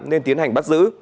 nên tiến hành bắt giữ